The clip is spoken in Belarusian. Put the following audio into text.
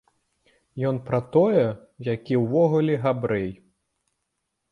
Ён пра тое, які, увогуле, габрэй.